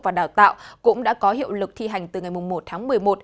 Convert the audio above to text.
và đào tạo cũng đã có hiệu lực thi hành từ ngày một tháng một mươi một